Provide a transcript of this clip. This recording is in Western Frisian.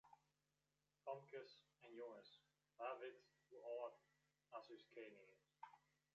Famkes en jonges, wa wit hoe âld as ús kening is?